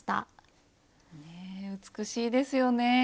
ねえ美しいですよね。